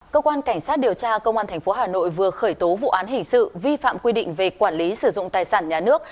cơ quan cảnh sát điều tra công an tp hà nội vừa khởi tố vụ án hình sự vi phạm quy định về quản lý sử dụng tài sản nhà nước